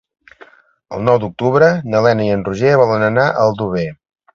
El nou d'octubre na Lena i en Roger volen anar a Aldover.